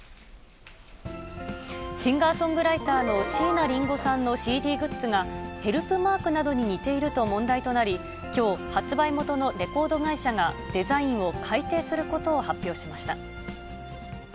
シンガーソングライターの椎名林檎さんのＣＤグッズが、ヘルプマークなどに似ていると問題となり、きょう、発売元のレコード会社が、デザインを改訂することを発表しました。